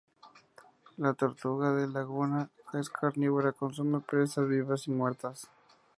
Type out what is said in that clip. La tortuga de laguna es carnívora; consume presas vivas y muertas.